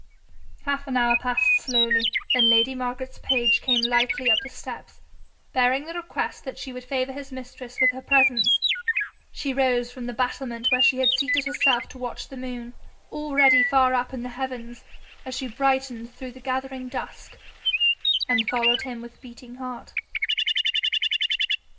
Half an hour passed slowly then lady Margaret's page came lightly up the steps, bearing the request that she would favour his mistress with her presence. She rose from the battlement where she had seated herself to watch the moon, already far up in the heavens, as she brightened through the gathering dusk, and followed him with beating heart.